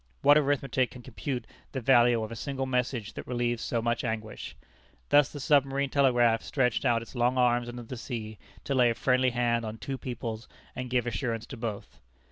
What arithmetic can compute the value of a single message that relieves so much anguish? Thus the submarine telegraph stretched out its long arms under the sea, to lay a friendly hand on two peoples, and give assurance to both.